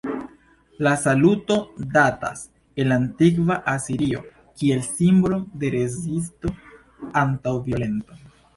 La saluto datas el antikva Asirio kiel simbolo de rezisto antaŭ violento.